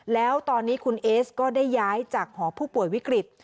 แล้วตอนนี้คุณเอสก็ได้ย้ายจากหอผู้ป่วยวิกฤต